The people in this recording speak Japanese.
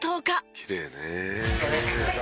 「きれいね」